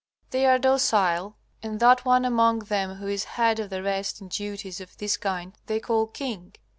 They are docile, and that one among them who is head of the rest in duties of this kind they call king.